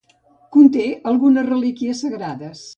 Conté algunes relíquies sagrades.